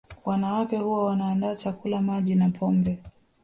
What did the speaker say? Wanawake huwa wanaandaa chakula Maji na pombe